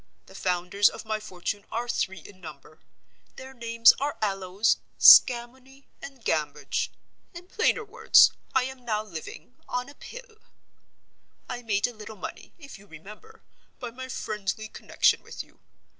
The founders of my fortune are three in number. Their names are Aloes, Scammony, and Gamboge. In plainer words, I am now living—on a Pill. I made a little money (if you remember) by my friendly connection with you.